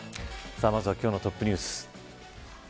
まずは今日のトップニュース。